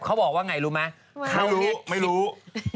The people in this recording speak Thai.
เขาบอกว่าไงรู้ไหมเขาเน็กทิอปไม่รู้ไม่รู้